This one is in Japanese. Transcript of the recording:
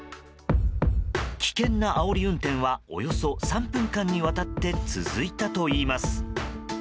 危険なあおり運転はおよそ３分間にわたって続いたといいます。